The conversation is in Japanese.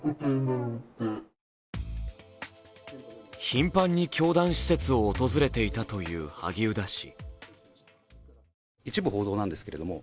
頻繁に教団施設を訪れていたという萩生田氏。